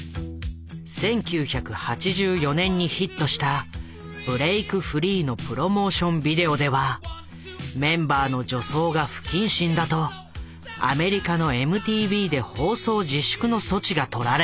１９８４年にヒットした「ブレイクフリー」のプロモーションビデオではメンバーの女装が不謹慎だとアメリカのＭＴＶで放送自粛の措置が取られた。